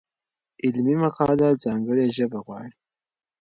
علمي مقاله ځانګړې ژبه غواړي.